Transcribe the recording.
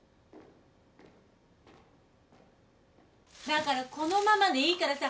・だからこのままでいいからさ。